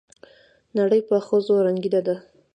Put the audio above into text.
نړۍ په ښځو رنګينه ده